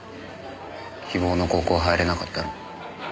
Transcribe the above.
希望の高校入れなかったの。